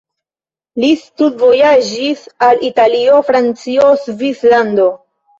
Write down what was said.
Li studvojaĝis al Italio, Francio, Svislando.